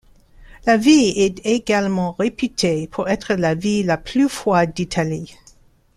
La ville est également réputée pour être la ville la plus froide d’Italie.